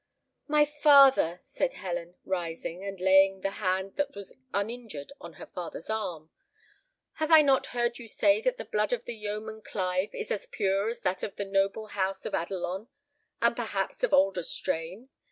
"My father," said Helen, rising, and laying the hand that was uninjured on her father's arm, "have I not heard you say that the blood of the yeoman Clive is as pure as that of the noble house of Adelon, and perhaps of older strain?